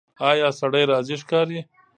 ایا سړی راضي ښکاري؟